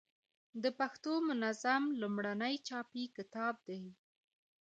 د پښتو منظم لومړنی چاپي کتاب دﺉ.